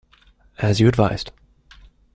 As you advised.